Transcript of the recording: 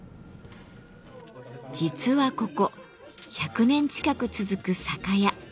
実はここ１００年近く続く酒屋。